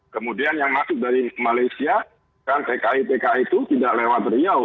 kemudian yang masuk dari malaysia kan tki tki itu tidak lewat riau